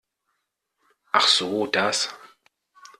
Ach so das.